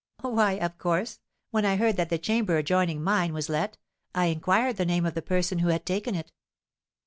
"Why, of course, when I heard that the chamber adjoining mine was let, I inquired the name of the person who had taken it."